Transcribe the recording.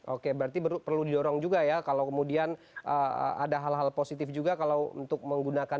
oke berarti perlu didorong juga ya kalau kemudian ada hal hal positif juga kalau untuk menggunakan